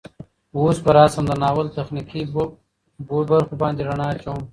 اوس به راشم د ناول تخنيکي بوخو باندې ړنا اچوم